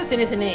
aduh sini sini